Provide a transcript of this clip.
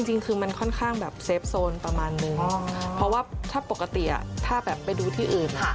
จริงคือมันค่อนข้างแบบเซฟโซนประมาณนึงเพราะว่าถ้าปกติถ้าแบบไปดูที่อื่น